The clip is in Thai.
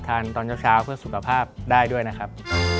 ตอนเช้าเพื่อสุขภาพได้ด้วยนะครับ